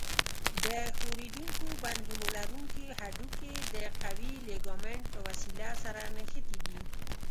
د ښورېدونکو بندونو لرونکي هډوکي د قوي لیګامنت په وسیله سره نښتي دي.